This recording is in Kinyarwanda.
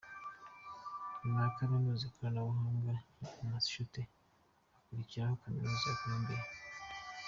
Nyuma ya Kaminuza y’Ikoranabuhanga ya Massachusets hakurikiraho Kaminuza ya Columbia.